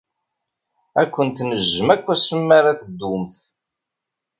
Ad kent-nejjem akk asmi ara teddumt.